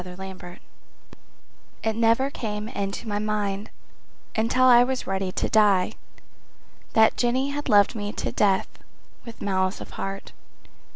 Henry Bennett It never came into my mind Until I was ready to die That Jenny had loved me to death, with malice of heart.